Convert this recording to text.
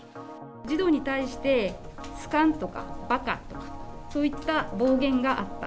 児童に対して、好かんとか、ばかとか、そういった暴言があった。